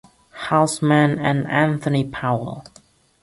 Housman and Anthony Powell.